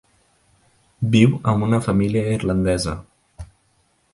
Viu amb una família irlandesa.